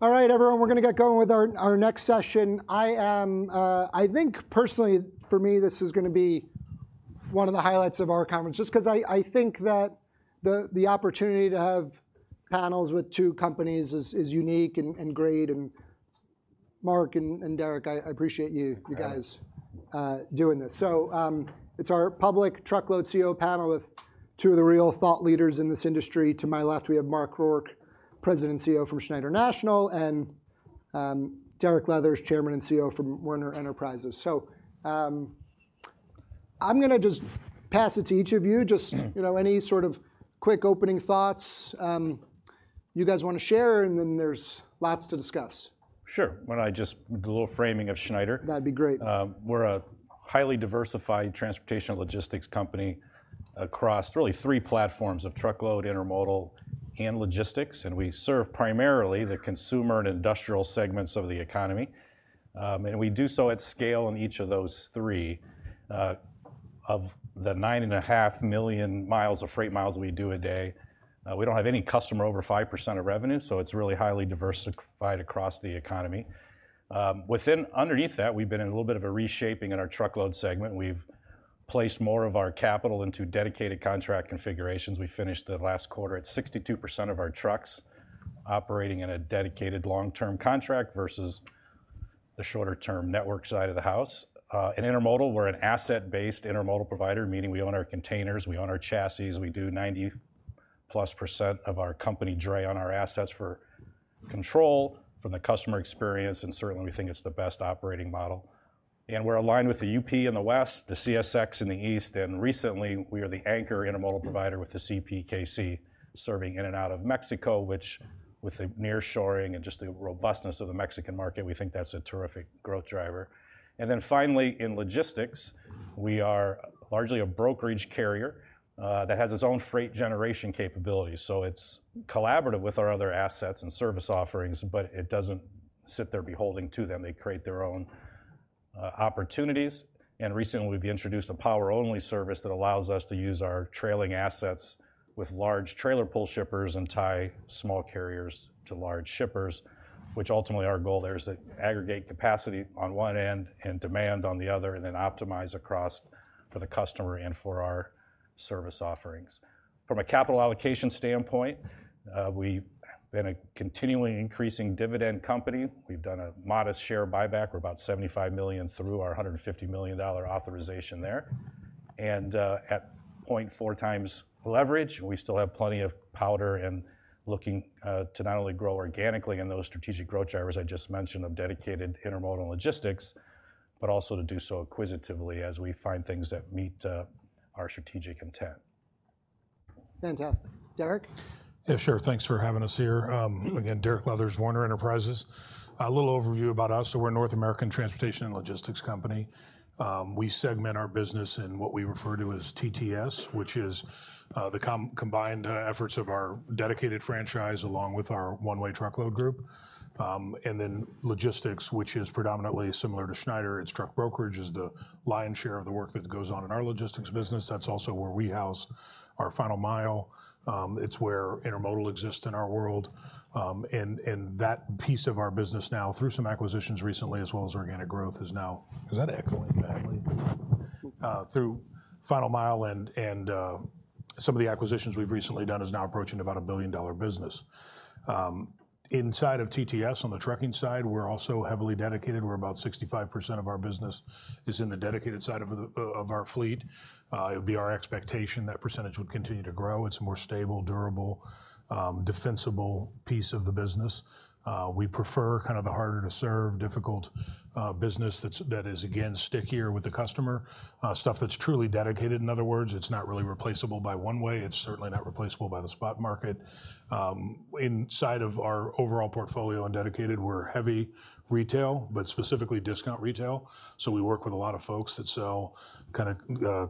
All right, everyone, we're gonna get going with our next session. I think personally, for me, this is gonna be one of the highlights of our conference, just 'cause I think that the opportunity to have panels with two companies is unique and great, and Mark and Derek, I appreciate you- You guys doing this. So, it's our public truckload CEO panel with two of the real thought leaders in this industry. To my left, we have Mark Rourke, President and CEO from Schneider National, and Derek Leathers, Chairman and CEO from Werner Enterprises. So, I'm gonna just pass it to each of you. Just You know, any sort of quick opening thoughts, you guys wanna share, and then there's lots to discuss. Sure. Why don't I just do a little framing of Schneider? That'd be great. We're a highly diversified transportation logistics company across really three platforms of truckload, intermodal, and logistics, and we serve primarily the consumer and industrial segments of the economy. And we do so at scale in each of those three. Of the 9.5 million miles of freight miles we do a day, we don't have any customer over 5% of revenue, so it's really highly diversified across the economy. Within, underneath that, we've been in a little bit of a reshaping in our truckload segment. We've placed more of our capital into dedicated contract configurations. We finished the last quarter at 62% of our trucks operating in a dedicated long-term contract versus the shorter-term network side of the house. In intermodal, we're an asset-based intermodal provider, meaning we own our containers, we own our chassis. We do 90+% of our company dray on our assets for control from the customer experience, and certainly, we think it's the best operating model. We're aligned with the UP in the West, the CSX in the East, and recently, we are the anchor intermodal provider with the CPKC, serving in and out of Mexico, which, with the nearshoring and just the robustness of the Mexican market, we think that's a terrific growth driver. Then finally, in logistics, we are largely a brokerage carrier that has its own freight generation capabilities, so it's collaborative with our other assets and service offerings, but it doesn't sit there beholden to them. They create their own opportunities, and recently, we've introduced a power-only service that allows us to use our trailer assets with large trailer pool shippers and tie small carriers to large shippers, which ultimately, our goal there is to aggregate capacity on one end and demand on the other, and then optimize across for the customer and for our service offerings. From a capital allocation standpoint, we've been a continually increasing dividend company. We've done a modest share buyback. We're about $75 million through our $150 million authorization there, and at 0.4x leverage, we still have plenty of powder and looking to not only grow organically in those strategic growth drivers I just mentioned, of dedicated intermodal logistics, but also to do so acquisitively as we find things that meet our strategic intent. Fantastic. Derek? Yeah, sure. Thanks for having us here. Again, Derek Leathers, Werner Enterprises. A little overview about us. So we're a North American transportation and logistics company. We segment our business in what we refer to as TTS, which is the combined efforts of our dedicated franchise, along with our one-way truckload group. And then logistics, which is predominantly similar to Schneider, it's truck brokerage, is the lion's share of the work that goes on in our logistics business. That's also where we house our final mile. It's where intermodal exists in our world, and that piece of our business now, through some acquisitions recently, as well as organic growth, through final mile and some of the acquisitions we've recently done, is now approaching about a billion-dollar business. Inside of TTS, on the trucking side, we're also heavily dedicated, where about 65% of our business is in the dedicated side of our fleet. It would be our expectation that percentage would continue to grow. It's a more stable, durable, defensible piece of the business. We prefer kind of the harder to serve, difficult business, that's that is, again, stickier with the customer. Stuff that's truly dedicated, in other words, it's not really replaceable by one-way. It's certainly not replaceable by the spot market. Inside of our overall portfolio and dedicated, we're heavy retail, but specifically discount retail, so we work with a lot of folks that sell kinda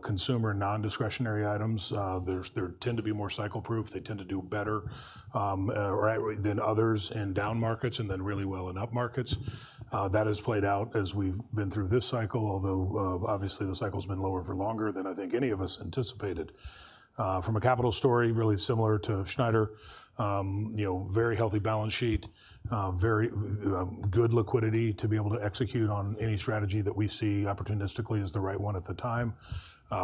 consumer, non-discretionary items. There tend to be more cycle-proof. They tend to do better, right, than others in down markets and then really well in up markets. That has played out as we've been through this cycle, although, obviously, the cycle's been lower for longer than I think any of us anticipated. From a capital story, really similar to Schneider, you know, very healthy balance sheet, very good liquidity to be able to execute on any strategy that we see opportunistically as the right one at the time.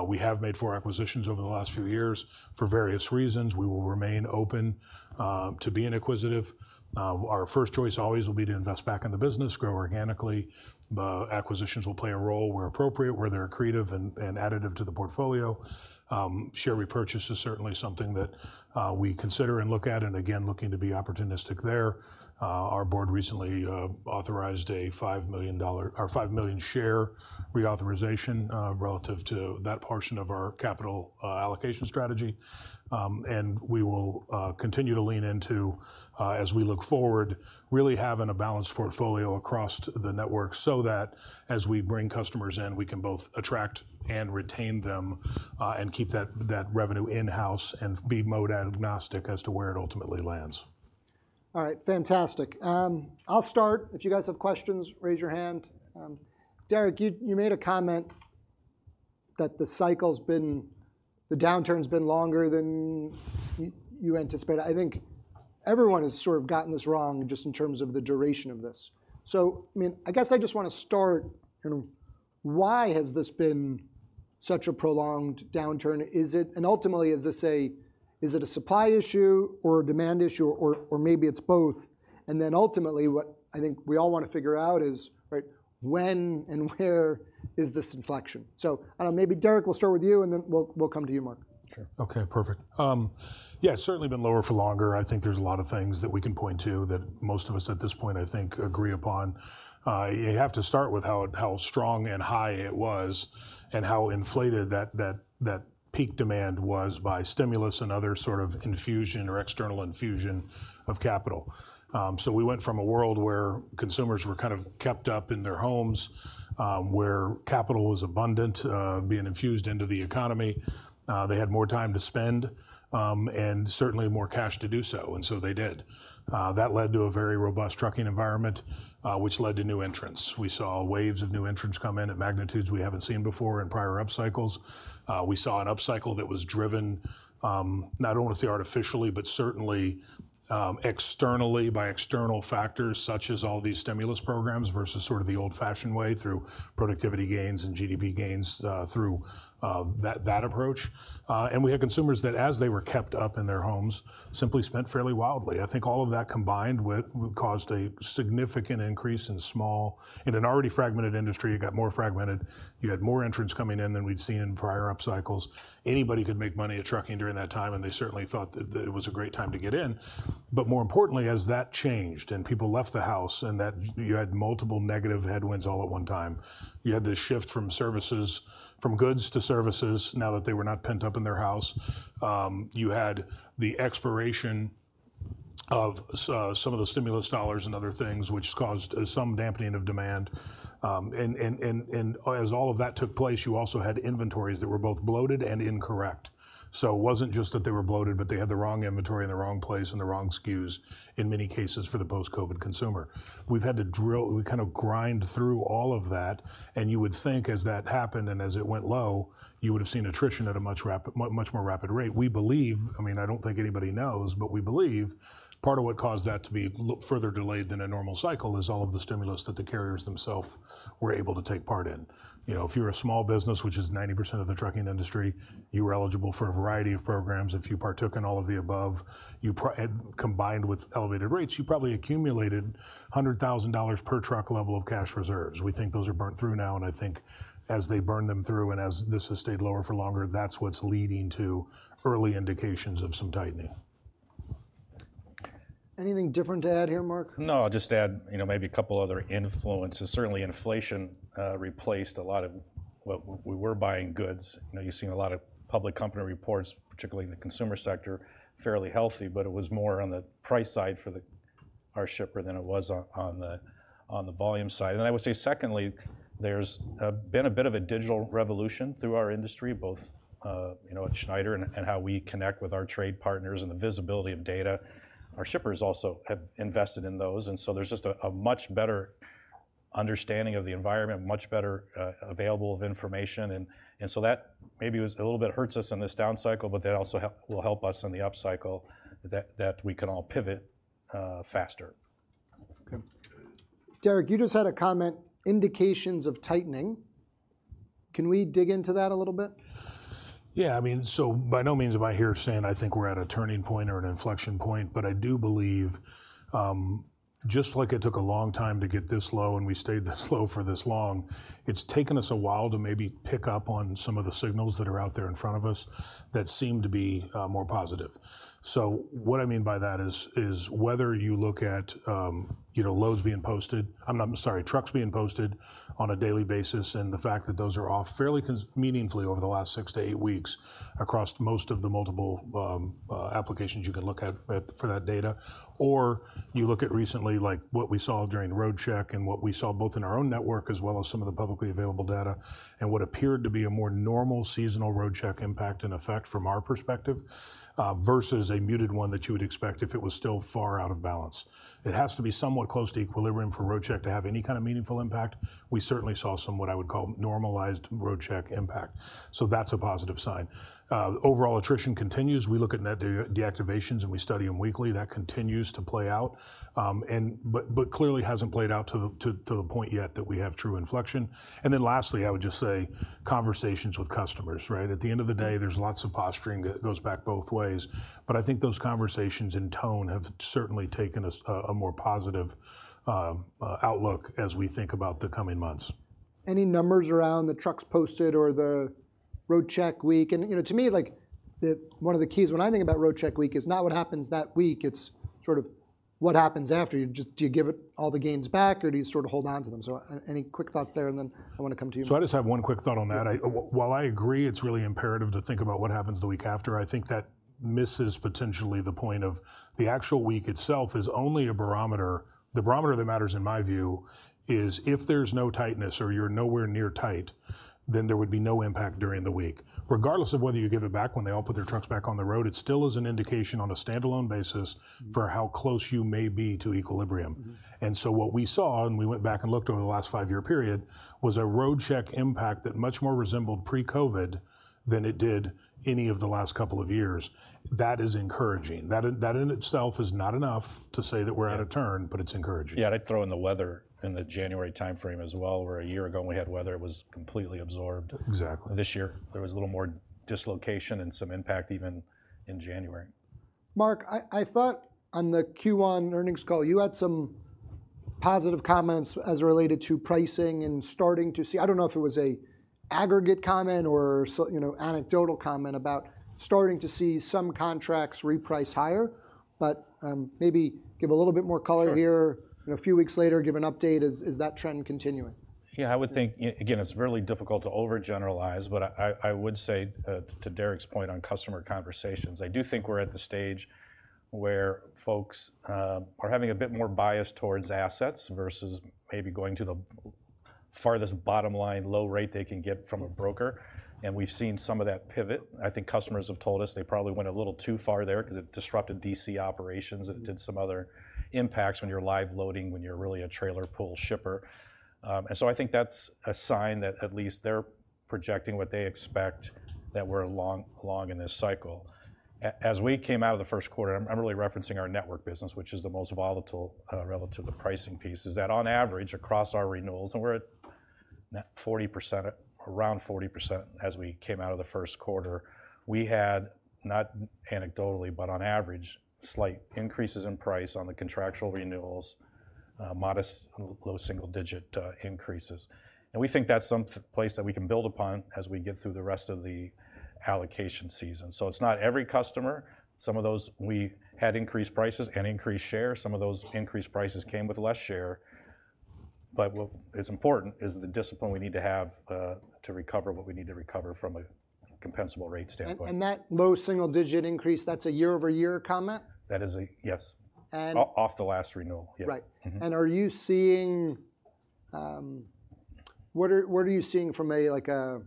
We have made four acquisitions over the last few years. For various reasons, we will remain open to being acquisitive. Our first choice always will be to invest back in the business, grow organically. Acquisitions will play a role where appropriate, where they're accretive and additive to the portfolio. Share repurchase is certainly something that we consider and look at, and again, looking to be opportunistic there. Our board recently authorized a 5 million share reauthorization relative to that portion of our capital allocation strategy. And we will continue to lean into, as we look forward, really having a balanced portfolio across the network, so that as we bring customers in, we can both attract and retain them, and keep that, that revenue in-house and be mode agnostic as to where it ultimately lands. All right, fantastic. I'll start. If you guys have questions, raise your hand. Derek, you made a comment that the cycle's been, the downturn's been longer than you anticipated. I think everyone has sort of gotten this wrong, just in terms of the duration of this. So, I mean, I guess I just wanna start, you know, why has this been such a prolonged downturn? Is it, and ultimately, is this a, is it a supply issue or a demand issue, or, or maybe it's both? And then, ultimately, what I think we all wanna figure out is, right, when and where is this inflection? So, I don't know, maybe Derek, we'll start with you, and then we'll come to you, Mark. Sure. Okay, perfect. Yeah, it's certainly been lower for longer. I think there's a lot of things that we can point to that most of us, at this point, I think, agree upon. You have to start with how strong and high it was, and how inflated that peak demand was by stimulus and other sort of infusion or external infusion of capital. So we went from a world where consumers were kind of kept up in their homes, where capital was abundant, being infused into the economy. They had more time to spend, and certainly more cash to do so, and so they did. That led to a very robust trucking environment, which led to new entrants. We saw waves of new entrants come in at magnitudes we haven't seen before in prior up cycles. We saw an up cycle that was driven, not I wanna say artificially, but certainly, externally by external factors, such as all these stimulus programs, versus sort of the old-fashioned way, through productivity gains and GDP gains, through, that approach. And we had consumers that, as they were kept up in their homes, simply spent fairly wildly. I think all of that, combined with, caused a significant increase in small... In an already fragmented industry, it got more fragmented. You had more entrants coming in than we'd seen in prior up cycles. Anybody could make money in trucking during that time, and they certainly thought that it was a great time to get in. But more importantly, as that changed, and people left the house, and that you had multiple negative headwinds all at one time, you had this shift from services, from goods to services, now that they were not pent up in their house. You had the expiration of some of the stimulus dollars and other things, which caused some dampening of demand. And, as all of that took place, you also had inventories that were both bloated and incorrect. So it wasn't just that they were bloated, but they had the wrong inventory in the wrong place and the wrong SKUs, in many cases, for the post-COVID consumer. We've had to drill, we kind of grind through all of that, and you would think, as that happened, and as it went low, you would've seen attrition at a much more rapid rate. We believe, I mean, I don't think anybody knows, but we believe part of what caused that to be further delayed than a normal cycle is all of the stimulus that the carriers themselves were able to take part in. You know, if you're a small business, which is 90% of the trucking industry, you were eligible for a variety of programs. If you partook in all of the above, combined with elevated rates, you probably accumulated $100,000 per truck level of cash reserves. We think those are burnt through now, and I think as they burn them through, and as this has stayed lower for longer, that's what's leading to early indications of some tightening. Anything different to add here, Mark? No, I'll just add, you know, maybe a couple other influences. Certainly, inflation replaced a lot of what we were buying goods. You know, you've seen a lot of public company reports, particularly in the consumer sector, fairly healthy, but it was more on the price side for our shipper than it was on the volume side. And then, I would say secondly, there's been a bit of a digital revolution through our industry, both, you know, at Schneider and how we connect with our trade partners and the visibility of data. Our shippers also have invested in those, and so there's just a much better understanding of the environment, much better available of information. And so that maybe was... A little bit hurts us in this down cycle, but that also help, will help us in the up cycle, that we can all pivot faster. Okay. Derek, you just had a comment, "indications of tightening." Can we dig into that a little bit? Yeah, I mean, so by no means, am I here saying I think we're at a turning point or an inflection point, but I do believe, just like it took a long time to get this low, and we stayed this low for this long, it's taken us a while to maybe pick up on some of the signals that are out there in front of us that seem to be, more positive. So what I mean by that is whether you look at, you know, loads being posted, I'm, I'm sorry, trucks being posted on a daily basis, and the fact that those are off fairly meaningfully over the last 6-8 weeks, across most of the multiple applications you can look at, for that data, or you look at recently, like what we saw during Roadcheck and what we saw both in our own network, as well as some of the publicly available data, and what appeared to be a more normal seasonal Roadcheck impact and effect from our perspective, versus a muted one that you would expect if it was still far out of balance. It has to be somewhat close to equilibrium for Roadcheck to have any kind of meaningful impact. We certainly saw some, what I would call, normalized Roadcheck impact, so that's a positive sign. Overall attrition continues. We look at net deactivations, and we study them weekly. That continues to play out, but clearly hasn't played out to the point yet that we have true inflection. And then lastly, I would just say conversations with customers, right? At the end of the day, there's lots of posturing that goes back both ways, but I think those conversations and tone have certainly taken a more positive outlook as we think about the coming months. Any numbers around the trucks posted or the Roadcheck week? And, you know, to me, like the one of the keys, when I think about Roadcheck week, is not what happens that week. It's sort of what happens after. You just... Do you give it all the gains back, or do you sort of hold on to them? So any quick thoughts there, and then I wanna come to you. So I just have one quick thought on that. While I agree it's really imperative to think about what happens the week after, I think that misses potentially the point of the actual week itself is only a barometer. The barometer that matters, in my view, is if there's no tightness or you're nowhere near tight, then there would be no impact during the week. Regardless of whether you give it back when they all put their trucks back on the road, it still is an indication on a standalone basis- Mm-hmm. for how close you may be to equilibrium. What we saw, and we went back and looked over the last five-year period, was a Roadcheck impact that much more resembled pre-COVID than it did any of the last couple of years. That is encouraging. That in, that in itself is not enough to say that we're at a turn, but it's encouraging. Yeah, I'd throw in the weather in the January timeframe as well, where a year ago when we had weather, it was completely absorbed. Exactly. This year, there was a little more dislocation and some impact even in January. Mark, I thought on the Q1 earnings call, you had some positive comments as related to pricing and starting to see, I don't know if it was an aggregate comment or so, you know, anecdotal comment about starting to see some contracts reprice higher, but maybe give a little bit more color here. Sure. You know, a few weeks later, give an update. Is that trend continuing? Yeah, I would think, again, it's really difficult to overgeneralize, but I would say, to Derek's point on customer conversations, I do think we're at the stage where folks are having a bit more bias towards assets versus maybe going to the farthest bottom line, low rate they can get from a broker, and we've seen some of that pivot. I think customers have told us they probably went a little too far there, 'cause it disrupted DC operations, and it did some other impacts when you're live loading, when you're really a trailer pool shipper. And so I think that's a sign that at least they're projecting what they expect, that we're along in this cycle. As we came out of the first quarter, I'm really referencing our network business, which is the most volatile relative to the pricing piece. Is that on average, across our renewals, and we're at net 40%, around 40% as we came out of the first quarter, we had, not anecdotally, but on average, slight increases in price on the contractual renewals, modest, low single-digit increases. And we think that's some place that we can build upon as we get through the rest of the allocation season. So it's not every customer. Some of those, we had increased prices and increased share. Some of those increased prices came with less share, but what is important is the discipline we need to have to recover what we need to recover from a compensable rate standpoint. And that low single digit increase, that's a year-over-year comment? That is a... Yes. And- Off the last renewal. Yeah. Right. Mm-hmm. Are you seeing... What are you seeing from a, like, a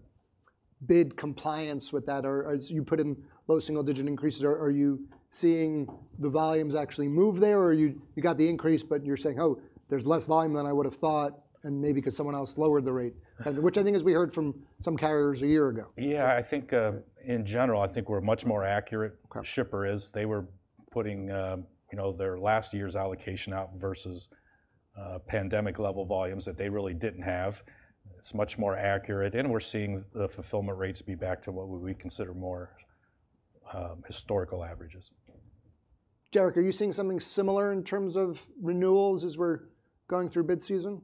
bid compliance with that? Or, as you put in low single digit increases, are you seeing the volumes actually move there, or you got the increase, but you're saying, "Oh, there's less volume than I would've thought," and maybe 'cause someone else lowered the rate? And which I think as we heard from some carriers a year ago. Yeah, I think, in general, I think we're much more accurate shipper is. They were putting, you know, their last year's allocation out versus, pandemic-level volumes that they really didn't have. It's much more accurate, and we're seeing the fulfillment rates be back to what we would consider more, historical averages. Derek, are you seeing something similar in terms of renewals as we're going through bid season?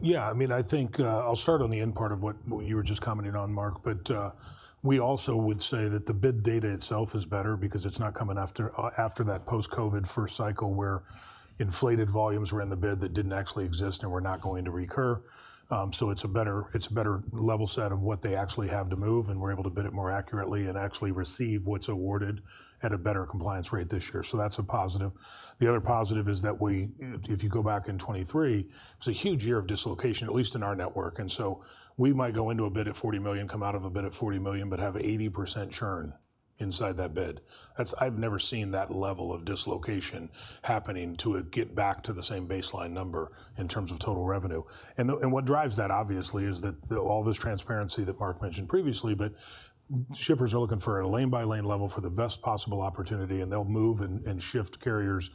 Yeah, I mean, I think, I'll start on the end part of what you were just commenting on, Mark, but, we also would say that the bid data itself is better because it's not coming after, after that post-COVID first cycle, where inflated volumes were in the bid that didn't actually exist and were not going to recur. So it's a better level set of what they actually have to move, and we're able to bid it more accurately and actually receive what's awarded at a better compliance rate this year. So that's a positive. The other positive is that we, if you go back in 2023, it was a huge year of dislocation, at least in our network, and so we might go into a bid at $40 million, come out of a bid at $40 million, but have 80% churn inside that bid. That's... I've never seen that level of dislocation happening to get back to the same baseline number in terms of total revenue. And what drives that, obviously, is all this transparency that Mark mentioned previously, but shippers are looking for a lane-by-lane level for the best possible opportunity, and they'll move and shift carriers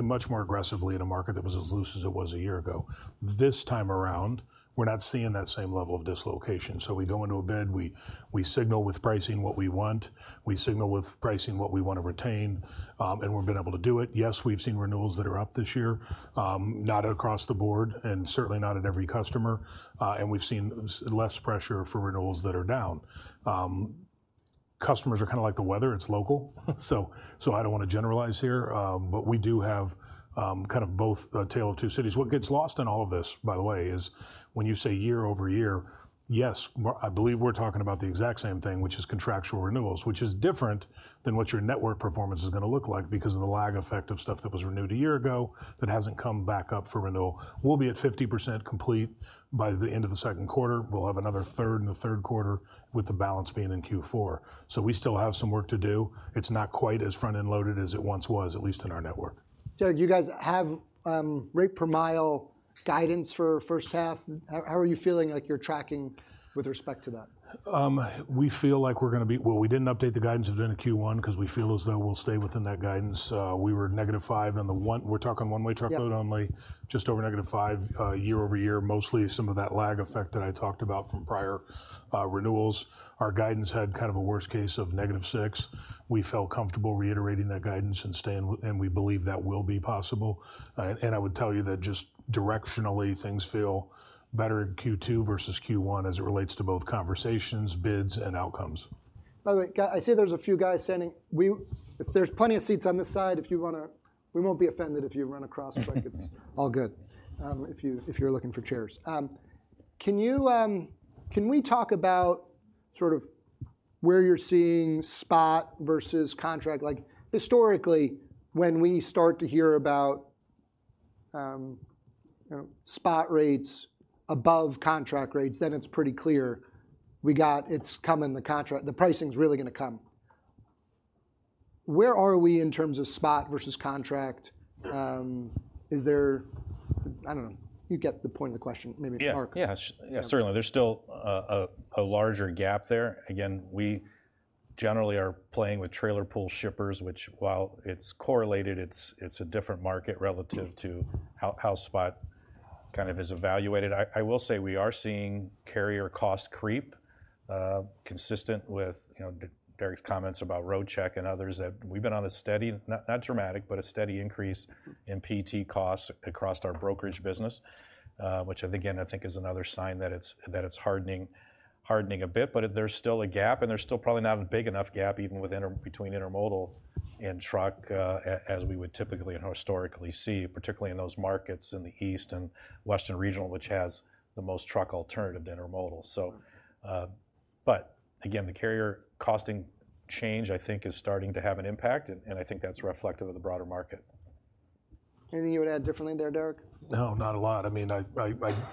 much more aggressively in a market that was as loose as it was a year ago. This time around, we're not seeing that same level of dislocation, so we go into a bid, we, we signal with pricing what we want, we signal with pricing what we want to retain, and we've been able to do it. Yes, we've seen renewals that are up this year, not across the board, and certainly not at every customer, and we've seen less pressure for renewals that are down. Customers are kinda like the weather, it's local. So, I don't wanna generalize here, but we do have kind of both a tale of two cities. What gets lost in all of this, by the way, is when you say year-over-year, yes, I believe we're talking about the exact same thing, which is contractual renewals, which is different than what your network performance is gonna look like because of the lag effect of stuff that was renewed a year ago that hasn't come back up for renewal. We'll be at 50% complete by the end of the second quarter. We'll have another third in the third quarter, with the balance being in Q4. So we still have some work to do. It's not quite as front-end loaded as it once was, at least in our network. Derek, do you guys have rate per mile guidance for first half? How are you feeling like you're tracking with respect to that? We feel like we're gonna be well, we didn't update the guidance within Q1, 'cause we feel as though we'll stay within that guidance. We were -5, and we're talking one-way truckload- only just over -5 year-over-year, mostly some of that lag effect that I talked about from prior renewals. Our guidance had kind of a worst case of -6. We felt comfortable reiterating that guidance and staying and we believe that will be possible. And I would tell you that just directionally, things feel better in Q2 versus Q1, as it relates to both conversations, bids, and outcomes. By the way, I see there's a few guys standing. If there's plenty of seats on this side, if you wanna... We won't be offended if you run across, like, it's all good, if you're looking for chairs. Can we talk about sort of where you're seeing spot versus contract? Like, historically, when we start to hear about, you know, spot rates above contract rates, then it's pretty clear it's coming, the contract, the pricing's really gonna come. Where are we in terms of spot versus contract? Is there... I don't know. You get the point of the question, maybe, Mark. Yeah. Yeah, yeah, certainly. There's still a larger gap there. Again, we generally are playing with trailer pool shippers, which, while it's correlated, it's a different market relative to how spot kind of is evaluated. I will say we are seeing carrier cost creep consistent with, you know, Derek's comments about Roadcheck and others, that we've been on a steady, not dramatic, but a steady increase in PT costs across our brokerage business. Which again, I think is another sign that it's hardening a bit, but there's still a gap, and there's still probably not a big enough gap even between intermodal and truck as we would typically and historically see, particularly in those markets in the East and western regional, which has the most truck alternative to intermodal. So, but again, the carrier costing change, I think, is starting to have an impact, and I think that's reflective of the broader market. Anything you would add differently there, Derek? No, not a lot. I mean,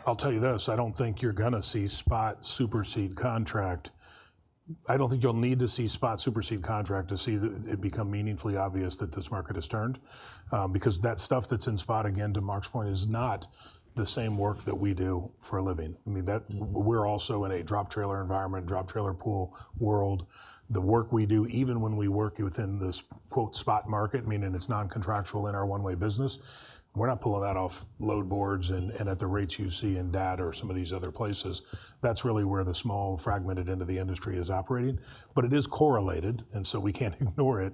I'll tell you this: I don't think you're gonna see spot supersede contract. I don't think you'll need to see spot supersede contract to see it become meaningfully obvious that this market has turned. Because that stuff that's in spot, again, to Mark's point, is not the same work that we do for a living. I mean, we're also in a drop trailer environment, drop trailer pool world. The work we do, even when we work within this, quote, "spot market," meaning it's non-contractual in our one-way business, we're not pulling that off load boards and at the rates you see in DAT or some of these other places. That's really where the small, fragmented end of the industry is operating, but it is correlated, and so we can't ignore it.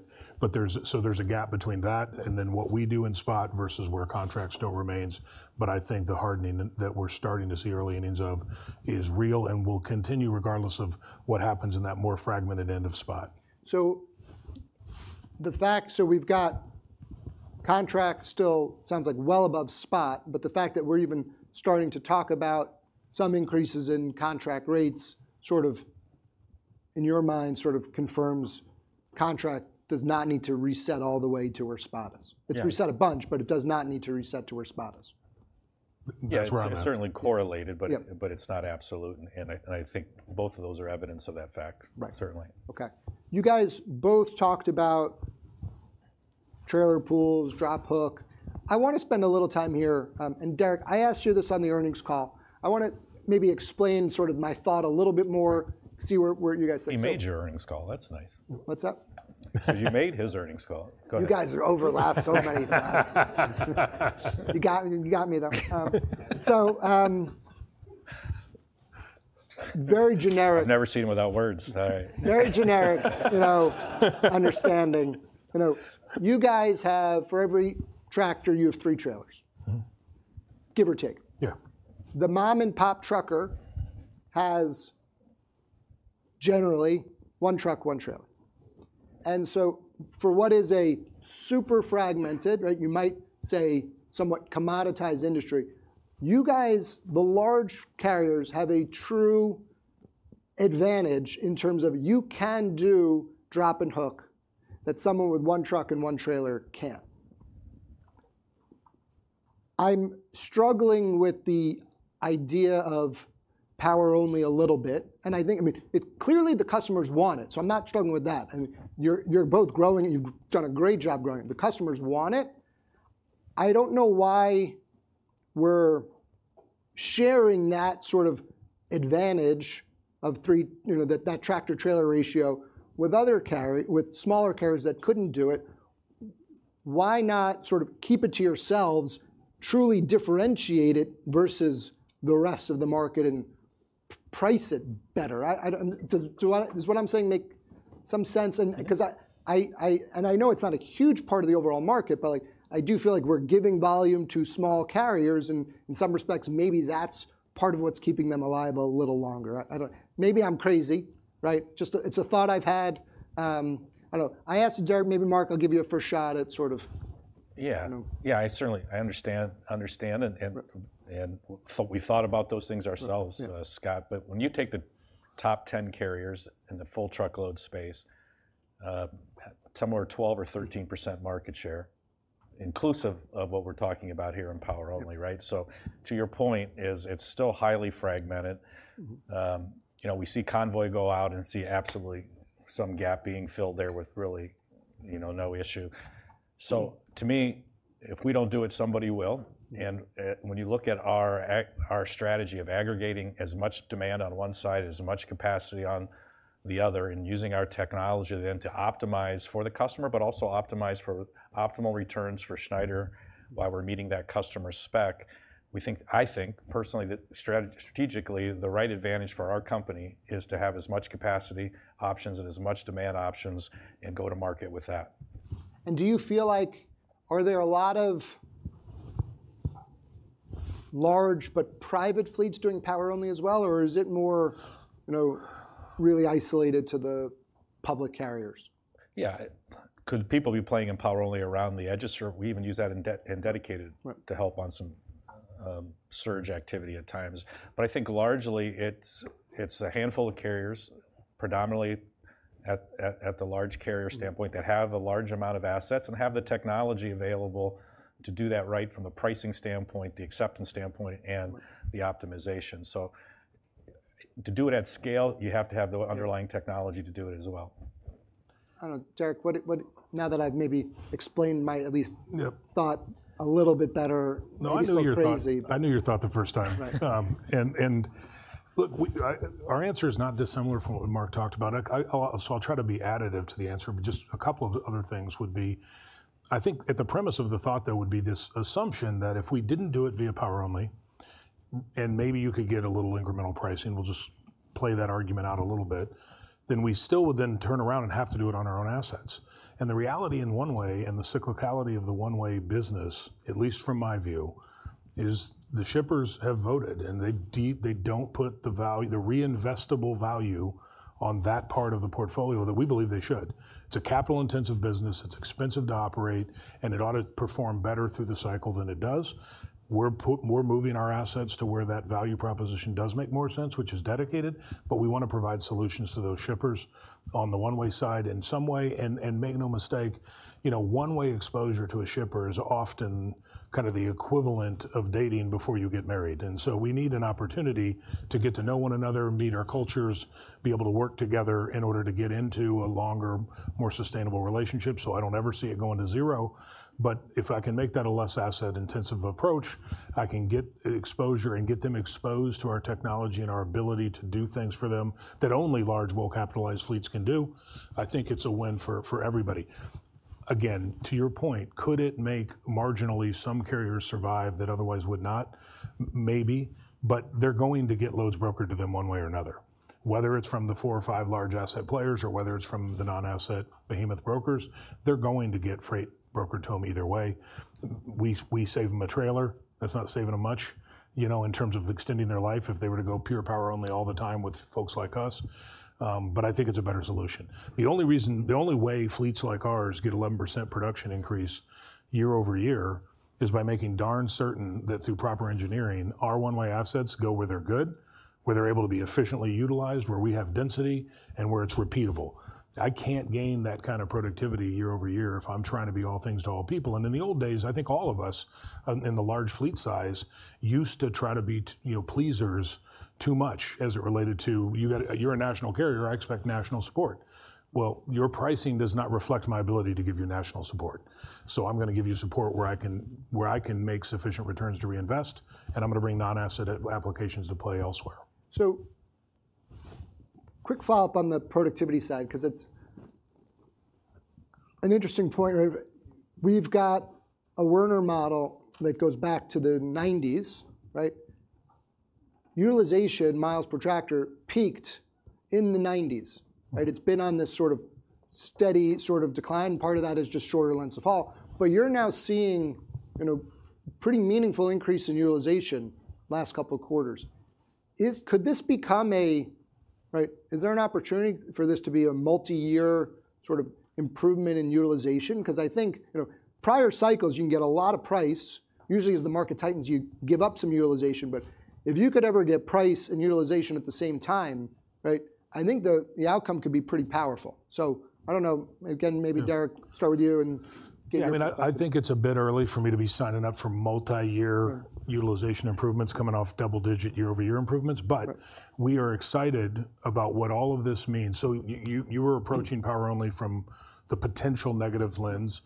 So there's a gap between that and then what we do in spot versus where contract still remains, but I think the hardening that we're starting to see early innings of is real and will continue regardless of what happens in that more fragmented end of spot. So the fact we've got contract still sounds like well above spot, but the fact that we're even starting to talk about some increases in contract rates, sort of, in your mind, sort of confirms contract does not need to reset all the way to where spot is. Yeah. It's reset a bunch, but it does not need to reset to where spot is. That's where I'm at. Yeah, it's certainly correlated, but- Yeah... but it's not absolute, and I think both of those are evidence of that fact- Right... certainly. Okay. You guys both talked about trailer pools, drop hook. I wanna spend a little time here, and Derek, I asked you this on the earnings call. I wanna maybe explain sort of my thought a little bit more, see where you guys stand. You made your earnings call. That's nice. What's that? Say you made his earnings call. Go ahead. You guys are overlapped so many times. You got, you got me, though. So, very generic- I've never seen him without words. You know, understanding. You know, you guys have for every tractor, you have three trailers. Mm-hmm. give or take. Yeah. The mom-and-pop trucker has generally one truck, one trailer, and so for what is a super fragmented, right, you might say, somewhat commoditized industry, you guys, the large carriers, have a true advantage in terms of you can do drop and hook, that someone with one truck and one trailer can't. I'm struggling with the idea of power only a little bit, and I think, I mean, it clearly the customers want it, so I'm not struggling with that. And you're, you're both growing, and you've done a great job growing it. The customers want it. I don't know why we're sharing that sort of advantage of three, you know, that, that tractor trailer ratio with other carrier, with smaller carriers that couldn't do it. Why not sort of keep it to yourselves, truly differentiate it versus the rest of the market and price it better? Does what I'm saying make some sense? Yeah. And, 'cause I know it's not a huge part of the overall market, but, like, I do feel like we're giving volume to small carriers, and in some respects, maybe that's part of what's keeping them alive a little longer. I don't... Maybe I'm crazy, right? Just, it's a thought I've had, I don't know. I asked Derek. Maybe, Mark, I'll give you a fair shot at sort of- Yeah. You know? Yeah, I certainly understand, and we've thought about those things ourselves- Yeah... Scott, but when you take the top 10 carriers in the full truckload space, somewhere 12 or 13% market share, inclusive of what we're talking about here in power only, right? Yeah. To your point, it's still highly fragmented. Mm. You know, we see Convoy go out and see absolutely some gap being filled there with really, you know, no issue. So to me, if we don't do it, somebody will. Yeah. When you look at our strategy of aggregating as much demand on one side, as much capacity on the other, and using our technology then to optimize for the customer, but also optimize for optimal returns for Schneider while we're meeting that customer spec, we think, I think, personally, that strategically, the right advantage for our company is to have as much capacity options and as much demand options and go to market with that. Do you feel like, are there a lot of large but private fleets doing power only as well, or is it more, you know, really isolated to the public carriers? Yeah. Could people be playing in power only around the edges? Sure. We even use that in dedicated- Right... to help on some surge activity at times. But I think largely, it's a handful of carriers, predominantly at the large carrier standpoint- Mm ..that have a large amount of assets and have the technology available to do that right from a pricing standpoint, the acceptance standpoint, and the optimization. So to do it at scale, you have to have the underlying- Yeah... technology to do it as well. I don't know, Derek, what now that I've maybe explained my at least- Yeah ...thought a little bit better, maybe sound crazy- No, I knew your thought, I knew your thought the first time. Right. And look, our answer is not dissimilar from what Mark talked about. So I'll try to be additive to the answer, but just a couple of other things would be, I think at the premise of the thought, there would be this assumption that if we didn't do it via power only and maybe you could get a little incremental pricing, we'll just play that argument out a little bit, then we still would then turn around and have to do it on our own assets. And the reality in one-way, and the cyclicality of the one-way business, at least from my view, is the shippers have voted, and they don't put the value, the reinvestable value, on that part of the portfolio that we believe they should. It's a capital-intensive business, it's expensive to operate, and it ought to perform better through the cycle than it does. We're moving our assets to where that value proposition does make more sense, which is dedicated, but we wanna provide solutions to those shippers on the one-way side in some way. And make no mistake, you know, one-way exposure to a shipper is often kind of the equivalent of dating before you get married, and so we need an opportunity to get to know one another and meet our cultures, be able to work together in order to get into a longer, more sustainable relationship. So I don't ever see it going to zero, but if I can make that a less asset-intensive approach, I can get exposure and get them exposed to our technology and our ability to do things for them that only large, well-capitalized fleets can do. I think it's a win for everybody. Again, to your point, could it make marginally some carriers survive that otherwise would not? Maybe, but they're going to get loads brokered to them one-way or another. Whether it's from the four or five large asset players, or whether it's from the non-asset behemoth brokers, they're going to get freight brokered to them either way. We save them a trailer, that's not saving them much, you know, in terms of extending their life if they were to go pure power only all the time with folks like us, but I think it's a better solution. The only reason, the only way fleets like ours get 11% production increase year-over-year, is by making darn certain that, through proper engineering, our one-way assets go where they're good, where they're able to be efficiently utilized, where we have density, and where it's repeatable. I can't gain that kind of productivity year-over-year if I'm trying to be all things to all people. In the old days, I think all of us in the large fleet size used to try to be, you know, pleasers too much, as it related to, "You got a, you're a national carrier, I expect national support." Well, your pricing does not reflect my ability to give you national support, so I'm gonna give you support where I can, where I can make sufficient returns to reinvest, and I'm gonna bring non-asset applications to play elsewhere. So, quick follow-up on the productivity side, 'cause it's... an interesting point, right? We've got a Werner model that goes back to the nineties, right? Utilization miles per tractor peaked in the nineties, right? It's been on this sort of steady sort of decline, part of that is just shorter lengths of haul, but you're now seeing, you know, pretty meaningful increase in utilization last couple of quarters. Is there an opportunity for this to be a multi-year sort of improvement in utilization? 'Cause I think, you know, prior cycles, you can get a lot of price. Usually, as the market tightens, you give up some utilization, but if you could ever get price and utilization at the same time, right, I think the, the outcome could be pretty powerful. So I don't know, again, maybe Derek, start with you and get- I mean, I think it's a bit early for me to be signing up for multi-year- Right... utilization improvements coming off double-digit year-over-year improvements. Right. But we are excited about what all of this means. So you were approaching power only from the potential negative lens.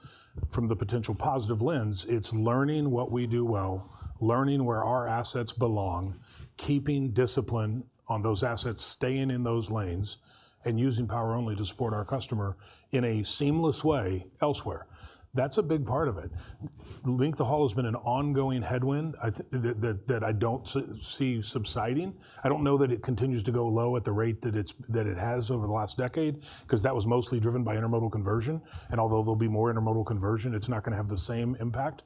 From the potential positive lens, it's learning what we do well, learning where our assets belong, keeping discipline on those assets, staying in those lanes, and using power only to support our customer in a seamless way elsewhere. That's a big part of it. Length of haul has been an ongoing headwind. I think that I don't see subsiding. I don't know that it continues to go low at the rate that it's, that it has over the last decade, 'cause that was mostly driven by intermodal conversion, and although there'll be more intermodal conversion, it's not gonna have the same impact.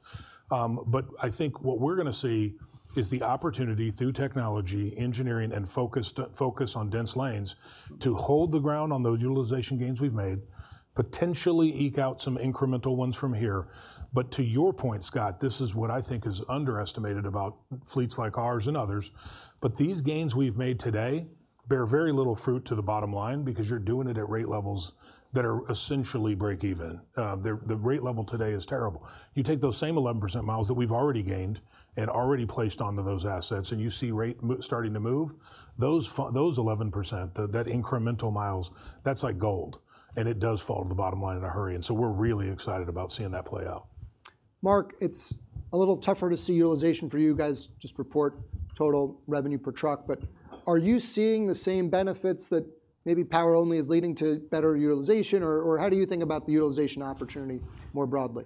But I think what we're gonna see is the opportunity, through technology, engineering, and focused focus on dense lanes, to hold the ground on those utilization gains we've made, potentially eke out some incremental ones from here. But to your point, Scott, this is what I think is underestimated about fleets like ours and others, but these gains we've made today bear very little fruit to the bottom line, because you're doing it at rate levels that are essentially break-even. The rate level today is terrible. You take those same 11% miles that we've already gained and already placed onto those assets, and you see rate starting to move, those 11%, that incremental miles, that's like gold, and it does fall to the bottom line in a hurry, and so we're really excited about seeing that play out. Mark, it's a little tougher to see utilization for you guys, just report total revenue per truck, but are you seeing the same benefits that maybe power-only is leading to better utilization? Or, or how do you think about the utilization opportunity more broadly?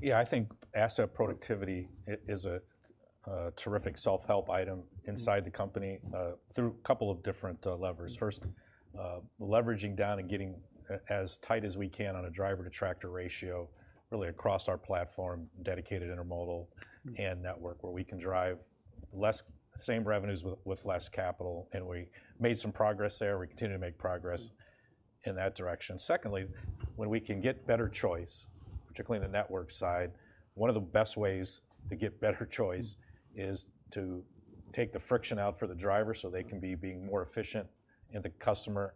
Yeah, I think asset productivity is a terrific self-help item inside the company through a couple of different levers. First, leveraging down and getting as tight as we can on a driver-to-tractor ratio, really across our platform, dedicated intermodal- Mm-hmm. and network, where we can drive less... the same revenues with, with less capital, and we made some progress there. We continue to make progress- Mm. in that direction. Secondly, when we can get better choice, particularly in the network side, one of the best ways to get better choice is to take the friction out for the driver so they can be being more efficient, and the customer,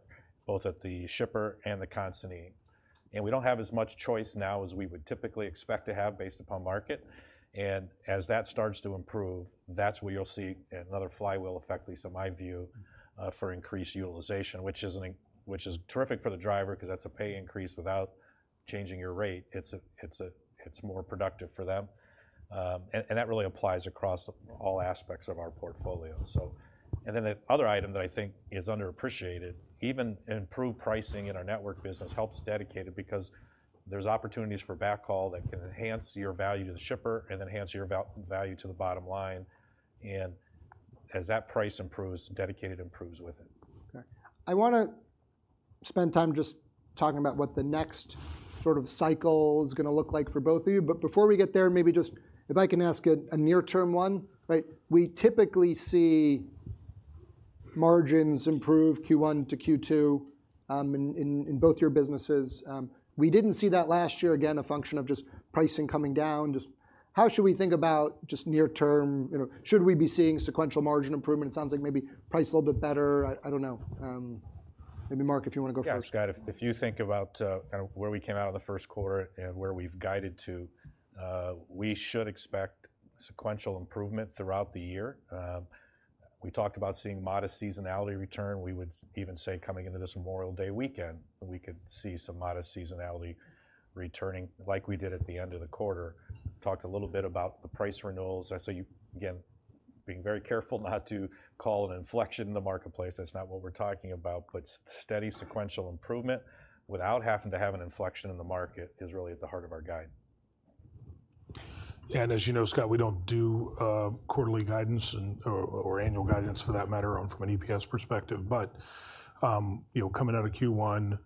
both at the shipper and the consignee. And we don't have as much choice now as we would typically expect to have, based upon market, and as that starts to improve, that's where you'll see another flywheel effect, at least in my view, for increased utilization. Which is terrific for the driver, 'cause that's a pay increase without changing your rate. It's more productive for them, and that really applies across all aspects of our portfolio, so. And then the other item that I think is underappreciated, even improved pricing in our network business helps dedicated, because there's opportunities for backhaul that can enhance your value to the shipper and enhance your value to the bottom line, and as that price improves, dedicated improves with it. Okay. I wanna spend time just talking about what the next sort of cycle is gonna look like for both of you. But before we get there, maybe just, if I can ask a near term one, right? We typically see margins improve Q1 to Q2 in both your businesses. We didn't see that last year. Again, a function of just pricing coming down. Just how should we think about, just near term, you know, should we be seeing sequential margin improvement? It sounds like maybe price a little bit better. I don't know. Maybe Mark, if you wanna go first. Yeah, Scott, if, if you think about kind of where we came out of the first quarter and where we've guided to, we should expect sequential improvement throughout the year. We talked about seeing modest seasonality return. We would even say coming into this Memorial Day weekend, we could see some modest seasonality returning, like we did at the end of the quarter. Talked a little bit about the price renewals. I saw you, again, being very careful not to call an inflection in the marketplace, that's not what we're talking about, but steady, sequential improvement, without having to have an inflection in the market, is really at the heart of our guide. As you know, Scott, we don't do quarterly guidance and, or, or annual guidance for that matter, from an EPS perspective. But you know, coming out of Q1,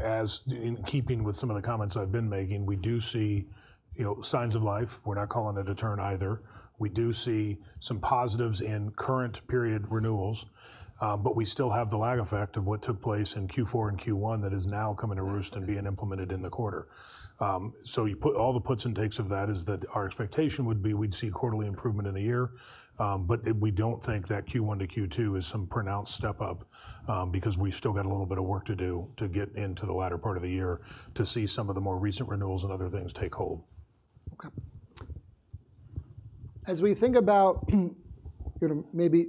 as in keeping with some of the comments I've been making, we do see you know, signs of life. We're not calling it a turn either. We do see some positives in current period renewals, but we still have the lag effect of what took place in Q4 and Q1 that is now coming to roost and being implemented in the quarter. So you put all the puts and takes of that is that our expectation would be, we'd see quarterly improvement in the year. But we don't think that Q1 to Q2 is some pronounced step up, because we still got a little bit of work to do to get into the latter part of the year to see some of the more recent renewals and other things take hold. Okay. As we think about you know, maybe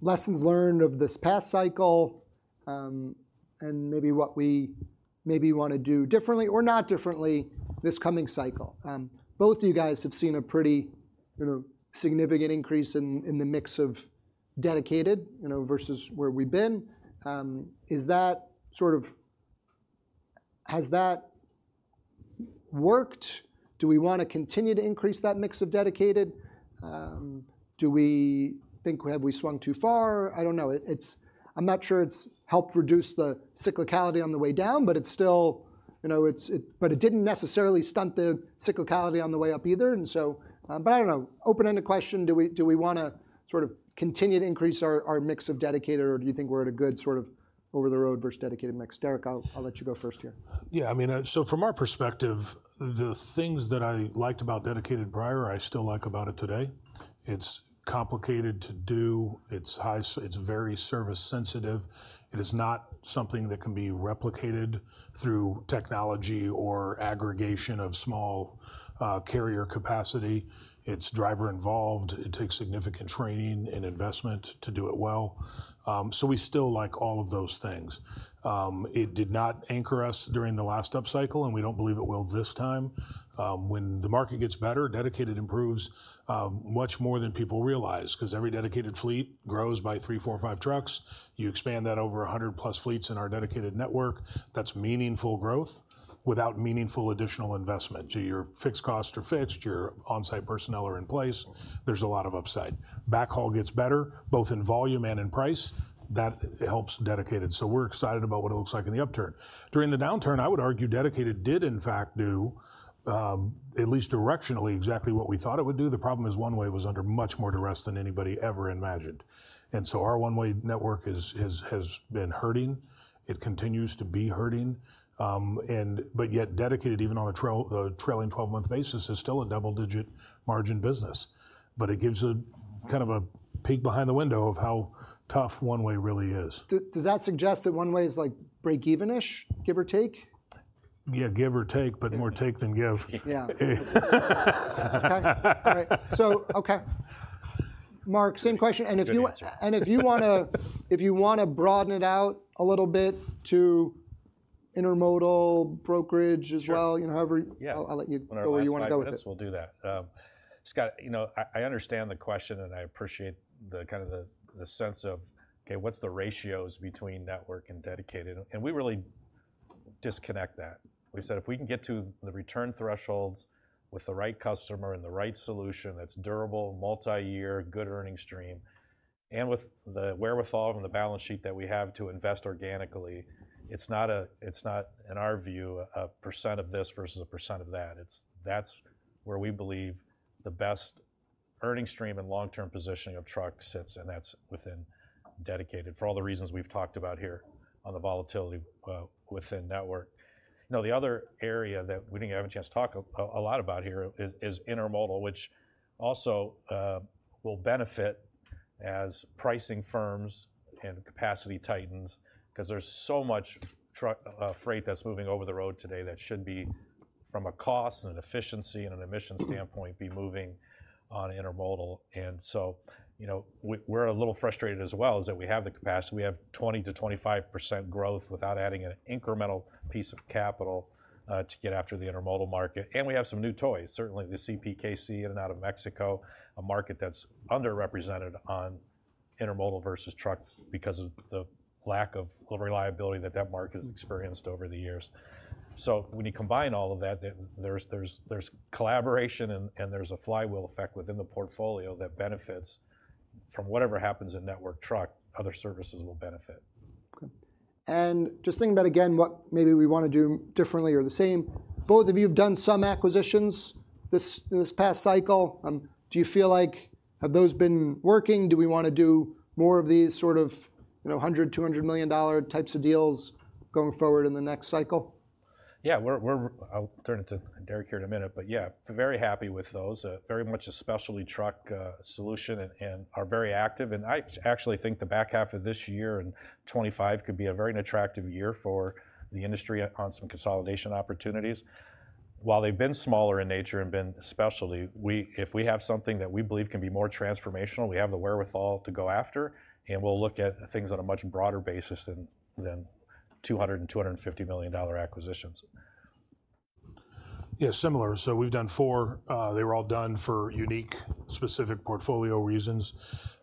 lessons learned of this past cycle, and maybe what we maybe wanna do differently or not differently this coming cycle, both of you guys have seen a pretty, you know, significant increase in the mix of dedicated, you know, versus where we've been. Is that sort of... Has that worked? Do we wanna continue to increase that mix of dedicated? Do we think, have we swung too far? I don't know. It's, I'm not sure it's helped reduce the cyclicality on the way down, but it's still, you know, it's. But it didn't necessarily stunt the cyclicality on the way up either, and so, but I don't know. Open-ended question, do we wanna sort of continue to increase our mix of dedicated, or do you think we're at a good sort of over-the-road versus dedicated mix? Derek, I'll let you go first here. Yeah, I mean, so from our perspective, the things that I liked about Dedicated prior, I still like about it today. It's complicated to do. It's very service sensitive. It is not something that can be replicated through technology or aggregation of small carrier capacity. It's driver-involved. It takes significant training and investment to do it well. So we still like all of those things. It did not anchor us during the last upcycle, and we don't believe it will this time. When the market gets better, Dedicated improves much more than people realize, 'cause every dedicated fleet grows by 3, 4, 5 trucks. You expand that over 100+ fleets in our dedicated network, that's meaningful growth, without meaningful additional investment. So your fixed costs are fixed, your on-site personnel are in place, there's a lot of upside. Backhaul gets better, both in volume and in price. That helps Dedicated, so we're excited about what it looks like in the upturn. During the downturn, I would argue Dedicated did in fact do at least directionally, exactly what we thought it would do. The problem is, one-way was under much more duress than anybody ever imagined. And so our one-way network is has been hurting. It continues to be hurting, and but yet Dedicated, even on a trailing 12-month basis, is still a double-digit margin business. But it gives a kind of a peek behind the window of how tough one-way really is. Does that suggest that one-way is, like, break even-ish, give or take? Yeah, give or take, but more take than give. Yeah. Okay. All right. So, okay, Mark, same question. Good answer. And if you wanna broaden it out a little bit to intermodal, brokerage as well- Sure... you know, however- Yeah. I'll let you go where you wanna go with this. On our last slide, we'll do that. Scott, you know, I, I understand the question, and I appreciate the, kind of the, the sense of, okay, what's the ratios between network and dedicated? We really disconnect that. We said, if we can get to the return thresholds with the right customer and the right solution that's durable, multi-year, good earning stream, and with the wherewithal from the balance sheet that we have to invest organically, it's not a, it's not, in our view, a percent of this versus a percent of that. It's, that's where we believe the best earning stream and long-term positioning of truck sits, and that's within Dedicated, for all the reasons we've talked about here on the volatility, within network. You know, the other area that we didn't have a chance to talk a lot about here is intermodal, which also will benefit as prices firm and capacity tightens. 'Cause there's so much truck freight that's moving over the road today, that should be, from a cost and efficiency and an emissions standpoint, be moving on intermodal. And so, you know, we, we're a little frustrated as well, is that we have the capacity. We have 20%-25% growth without adding an incremental piece of capital to get after the intermodal market, and we have some new toys. Certainly, the CPKC in and out of Mexico, a market that's underrepresented on intermodal versus truck because of the lack of reliability that that market has experienced over the years. So when you combine all of that, then there's collaboration and there's a flywheel effect within the portfolio that benefits from whatever happens in network truck. Other services will benefit. Okay. Just thinking about, again, what maybe we wanna do differently or the same, both of you have done some acquisitions this, in this past cycle. Do you feel like, have those been working? Do we wanna do more of these sort of, you know, $100 million-$200 million types of deals going forward in the next cycle? Yeah, we're, we're, I'll turn it to Derek here in a minute, but yeah, very happy with those. Very much a specialty truck solution and are very active, and I actually think the back half of this year and 25 could be a very attractive year for the industry on some consolidation opportunities. While they've been smaller in nature and been specialty, we—if we have something that we believe can be more transformational, we have the wherewithal to go after, and we'll look at things on a much broader basis than $200 million-$250 million acquisitions. Yeah, similar. So we've done 4. They were all done for unique, specific portfolio reasons.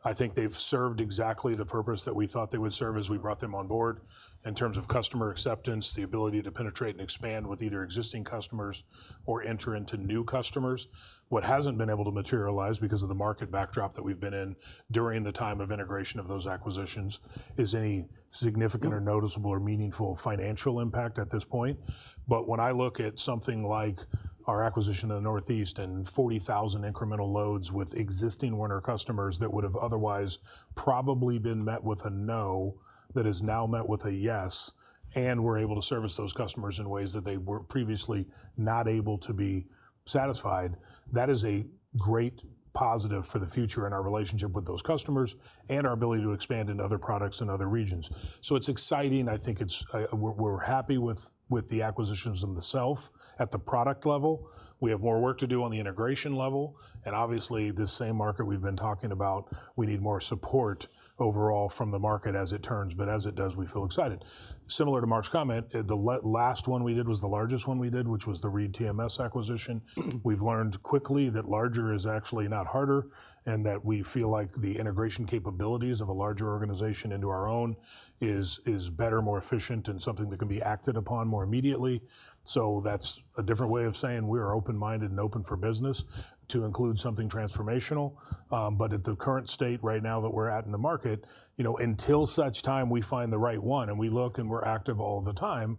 I think they've served exactly the purpose that we thought they would serve as we brought them on board. In terms of customer acceptance, the ability to penetrate and expand with either existing customers or enter into new customers. What hasn't been able to materialize because of the market backdrop that we've been in during the time of integration of those acquisitions, is any significant or noticeable or meaningful financial impact at this point. But when I look at something like our acquisition in the Northeast and 40,000 incremental loads with existing Werner customers, that would have otherwise probably been met with a no, that is now met with a yes, and we're able to service those customers in ways that they were previously not able to be satisfied. That is a great positive for the future and our relationship with those customers, and our ability to expand into other products and other regions. So it's exciting. I think it's... We're, we're happy with, with the acquisitions themselves. At the product level, we have more work to do on the integration level, and obviously, this same market we've been talking about, we need more support overall from the market as it turns, but as it does, we feel excited. Similar to Mark's comment, the last one we did was the largest one we did, which was the ReedTMS acquisition. We've learned quickly that larger is actually not harder, and that we feel like the integration capabilities of a larger organization into our own is, is better, more efficient, and something that can be acted upon more immediately. So that's a different way of saying we are open-minded and open for business to include something transformational. But at the current state right now that we're at in the market, you know, until such time we find the right one, and we look, and we're active all the time,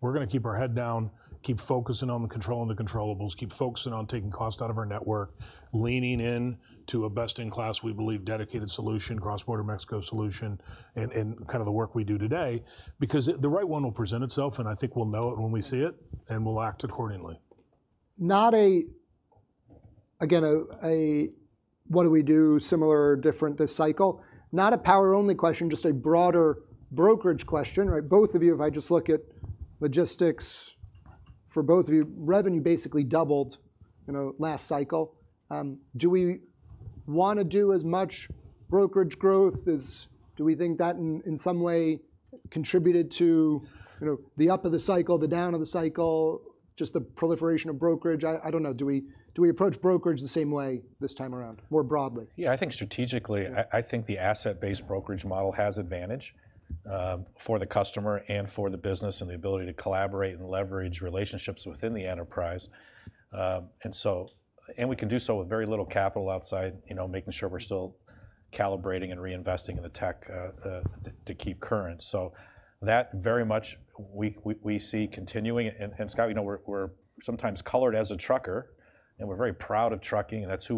we're gonna keep our head down, keep focusing on the controlling the controllables, keep focusing on taking cost out of our network, leaning in to a best-in-class, we believe, dedicated solution, cross-border Mexico solution, and kind of the work we do today. Because the right one will present itself, and I think we'll know it when we see it, and we'll act accordingly. Not again, what do we do similar or different this cycle? Not a power-only question, just a broader brokerage question, right? Both of you, if I just look at logistics for both of you, revenue basically doubled, you know, last cycle. Do we wanna do as much brokerage growth? Is do we think that in some way contributed to, you know, the up of the cycle, the down of the cycle, just the proliferation of brokerage? I don't know. Do we approach brokerage the same way this time around, more broadly? Yeah, I think strategically, I think the asset-based brokerage model has advantage for the customer and for the business, and the ability to collaborate and leverage relationships within the enterprise. And so, we can do so with very little capital outside, you know, making sure we're still calibrating and reinvesting in the tech to keep current. So that very much we see continuing, and Scott, you know, we're sometimes colored as a trucker, and we're very proud of trucking, and that's who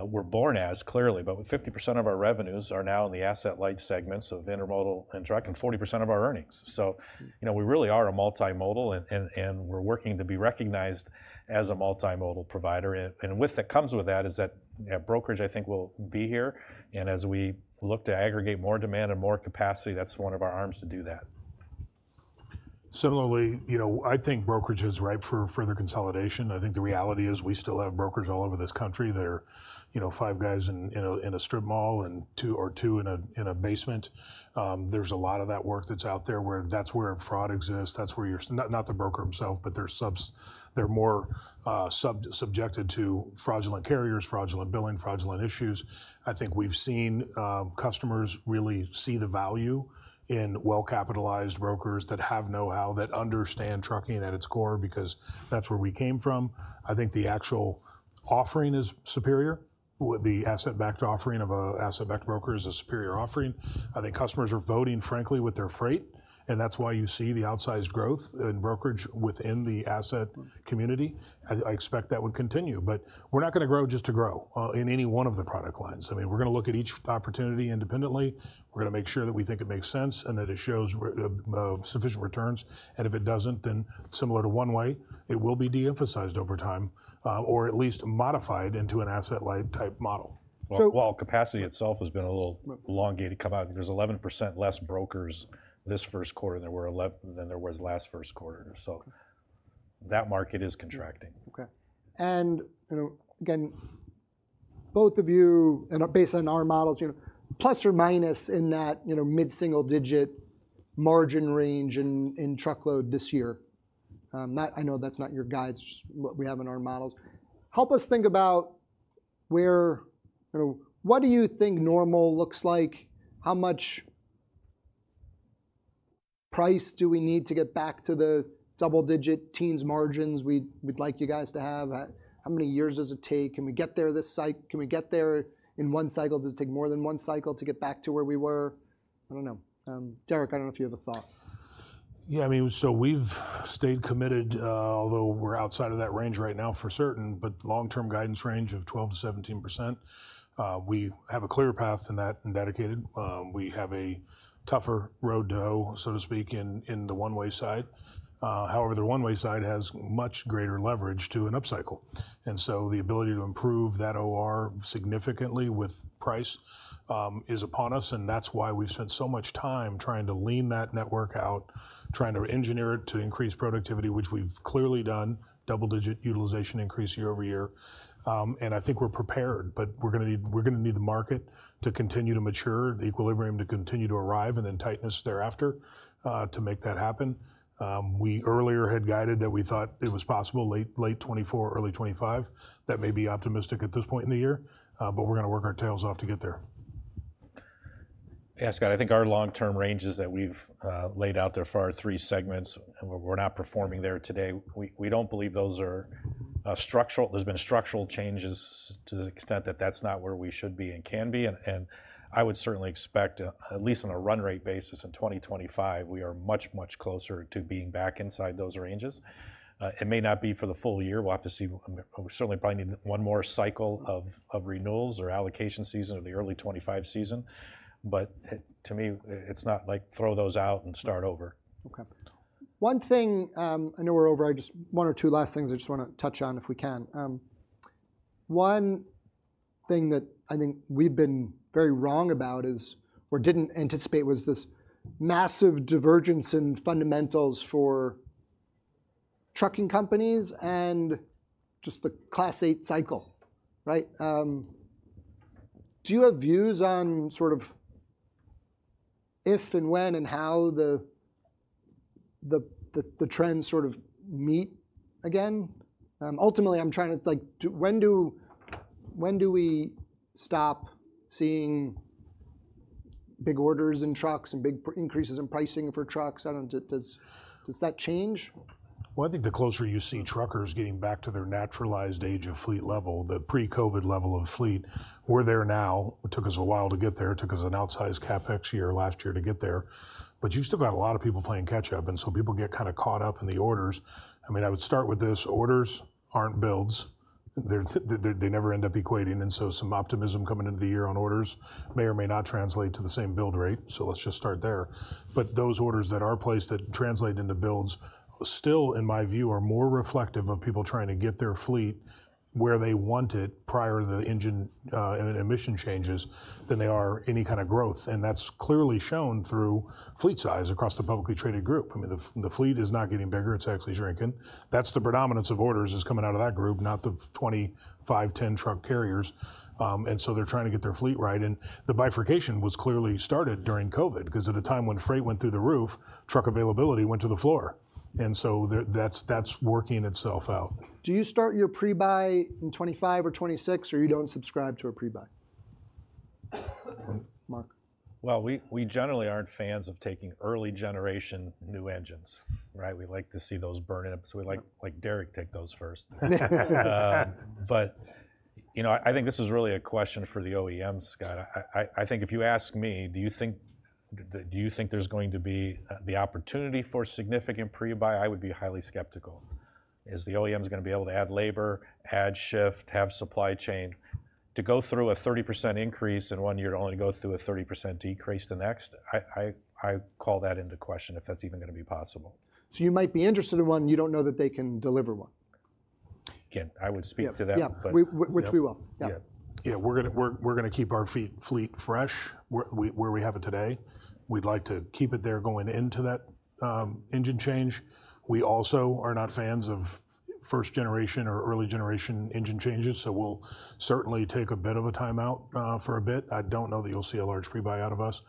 we're born as, clearly. But 50% of our revenues are now in the asset-light segments of intermodal and trucking, 40% of our earnings. So, you know, we really are a multimodal, and we're working to be recognized as a multimodal provider. And what comes with that is that brokerage, I think, will be here, and as we look to aggregate more demand and more capacity, that's one of our arms to do that. Similarly, you know, I think brokerage is ripe for further consolidation. I think the reality is we still have brokers all over this country that are, you know, five guys in a strip mall and two or two in a basement. There's a lot of that work that's out there, where fraud exists, that's where you're not the broker himself, but they're more subjected to fraudulent carriers, fraudulent billing, fraudulent issues. I think we've seen customers really see the value in well-capitalized brokers that have know-how, that understand trucking at its core, because that's where we came from. I think the actual offering is superior. With the asset-based offering of an asset-based broker is a superior offering. I think customers are voting frankly with their freight, and that's why you see the outsized growth in brokerage within the asset community. I, I expect that would continue, but we're not gonna grow just to grow in any one of the product lines. I mean, we're gonna look at each opportunity independently. We're gonna make sure that we think it makes sense and that it shows sufficient returns, and if it doesn't, then similar to one-way, it will be de-emphasized over time or at least modified into an asset-light type model. So- Well, capacity itself has been a little elongated to come out. There's 11% less brokers this first quarter than there was last first quarter, so that market is contracting. Okay. And, you know, again, both of you, and based on our models, you know, plus or minus in that, you know, mid-single-digit margin range in truckload this year. I know that's not your guides, just what we have in our models. Help us think about where, you know, what do you think normal looks like? How much price do we need to get back to the double-digit teens margins we'd like you guys to have? How many years does it take? Can we get there in one cycle? Does it take more than one cycle to get back to where we were? I don't know. Derek, I don't know if you have a thought. Yeah, I mean, so we've stayed committed, although we're outside of that range right now, for certain, but long-term guidance range of 12%-17%. We have a clear path in that, in dedicated. We have a tougher road to hoe, so to speak, in the one-way side. However, the one-way side has much greater leverage to an upcycle. And so the ability to improve that OR significantly with price is upon us, and that's why we've spent so much time trying to lean that network out, trying to engineer it to increase productivity, which we've clearly done, double-digit utilization increase year-over-year. And I think we're prepared, but we're gonna need, we're gonna need the market to continue to mature, the equilibrium to continue to arrive, and then tightness thereafter to make that happen. We earlier had guided that we thought it was possible, late, late 2024, early 2025. That may be optimistic at this point in the year, but we're gonna work our tails off to get there. Yeah, Scott, I think our long-term ranges that we've laid out there for our three segments, and we're not performing there today, we don't believe those are structural changes to the extent that that's not where we should be and can be, and I would certainly expect, at least on a run rate basis in 2025, we are much, much closer to being back inside those ranges. It may not be for the full year. We'll have to see, we certainly probably need one more cycle of renewals or allocation season of the early 2025 season, but it, to me, it's not like, throw those out and start over. Okay. One thing, I know we're over. I just... One or two last things I just wanna touch on, if we can. One thing that I think we've been very wrong about is, or didn't anticipate, was this massive divergence in fundamentals for trucking companies and just the Class 8 cycle, right? Do you have views on, sort of, if and when and how the trends sort of meet again? Ultimately, I'm trying to, like, when do we stop seeing big orders in trucks and big increases in pricing for trucks? I don't... Does that change? Well, I think the closer you see truckers getting back to their naturalized age of fleet level, the pre-COVID level of fleet, we're there now. It took us a while to get there. It took us an outsized CapEx year last year to get there, but you've still got a lot of people playing catch up, and so people get kinda caught up in the orders. I mean, I would start with this: Orders aren't builds. They're, they never end up equating, and so some optimism coming into the year on orders may or may not translate to the same build rate, so let's just start there. But those orders that are placed that translate into builds, still, in my view, are more reflective of people trying to get their fleet where they want it prior to the engine and emission changes than they are any kind of growth, and that's clearly shown through fleet size across the publicly traded group. I mean, the fleet is not getting bigger. It's actually shrinking. That's the predominance of orders, is coming out of that group, not the 25, 10-truck carriers. And so they're trying to get their fleet right, and the bifurcation was clearly started during COVID, 'cause at a time when freight went through the roof, truck availability went to the floor, and so that's working itself out. Do you start your pre-buy in 2025 or 2026, or you don't subscribe to a pre-buy? Mark? Well, we generally aren't fans of taking early-generation new engines, right? We like to see those burn in, so we like Derek take those first. But, you know, I think this is really a question for the OEMs, Scott. I think if you ask me, "Do you think there's going to be the opportunity for significant pre-buy?" I would be highly skeptical. Is the OEMs gonna be able to add labor, add shift, have supply chain? To go through a 30% increase in one year, only to go through a 30% decrease the next, I call that into question, if that's even gonna be possible. You might be interested in one, you don't know that they can deliver one? Again, I would speak to them- Yeah, yeah... but. Which we will. Yeah. Yeah. Yeah, we're gonna keep our fleet fresh where we have it today. We'd like to keep it there going into that engine change. We also are not fans of first generation or early generation engine changes, so we'll certainly take a bit of a timeout for a bit. I don't know that you'll see a large pre-buy out of us.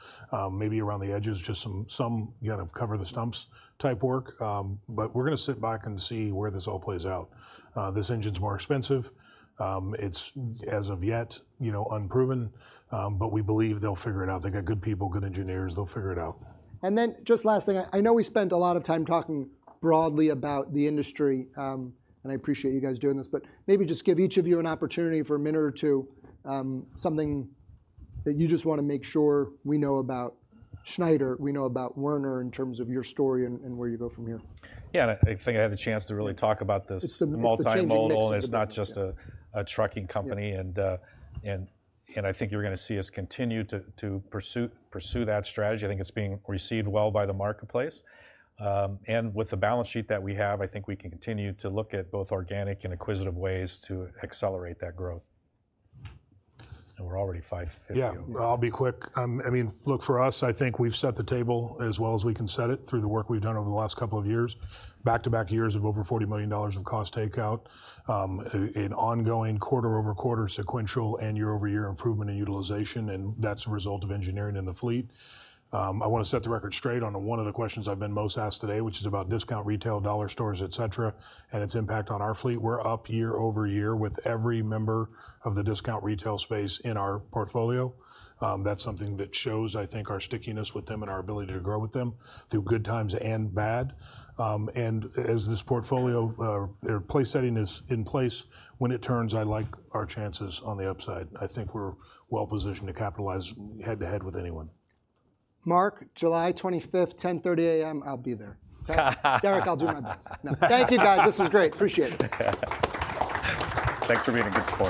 Maybe around the edges, just some kind of cover the stumps type work, but we're gonna sit back and see where this all plays out. This engine's more expensive. It's, as of yet, you know, unproven, but we believe they'll figure it out. They got good people, good engineers. They'll figure it out. Then, just one last thing, I know we spent a lot of time talking broadly about the industry, and I appreciate you guys doing this, but maybe just give each of you an opportunity for a minute or two, something that you just wanna make sure we know about Schneider, we know about Werner, in terms of your story and where you go from here. Yeah, and I think I had the chance to really talk about this- It's the changing mix-... multimodal, and it's not just a trucking company- Yeah... and I think you're gonna see us continue to pursue that strategy. I think it's being received well by the marketplace, and with the balance sheet that we have, I think we can continue to look at both organic and acquisitive ways to accelerate that growth. And we're already 5.50 over. Yeah. I'll be quick. I mean, look, for us, I think we've set the table as well as we can set it through the work we've done over the last couple of years, back-to-back years of over $40 million of cost takeout, an ongoing quarter-over-quarter sequential and year-over-year improvement in utilization, and that's a result of engineering in the fleet. I wanna set the record straight on one of the questions I've been most asked today, which is about discount retail, dollar stores, et cetera, and its impact on our fleet. We're up year-over-year with every member of the discount retail space in our portfolio. That's something that shows, I think, our stickiness with them and our ability to grow with them through good times and bad. And as this portfolio, or place setting is in place, when it turns, I like our chances on the upside. I think we're well-positioned to capitalize head-to-head with anyone. Mark, July 25th, 10:30 A.M., I'll be there, okay? Derek, I'll do my best. No. Thank you, guys. This was great. Appreciate it. Thanks for being a good sport.